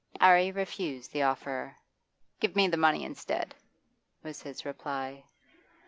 'Arry refused the offer. 'Give me the money instead,' was his reply.